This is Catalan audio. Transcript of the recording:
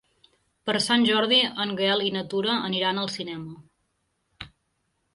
Per Sant Jordi en Gaël i na Tura aniran al cinema.